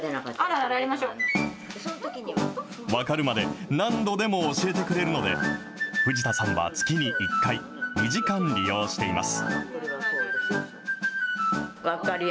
分かるまで何度でも教えてくれるので、藤田さんは月に１回、２時間利用しています。